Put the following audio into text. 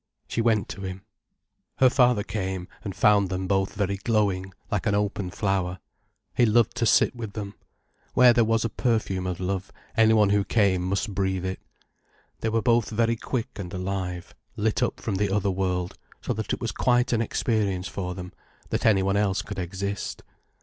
She went to him. Her father came, and found them both very glowing, like an open flower. He loved to sit with them. Where there was a perfume of love, anyone who came must breathe it. They were both very quick and alive, lit up from the other world, so that it was quite an experience for them, that anyone else could exist.